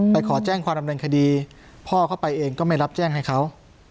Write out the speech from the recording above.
ขอแจ้งความดำเนินคดีพ่อเขาไปเองก็ไม่รับแจ้งให้เขา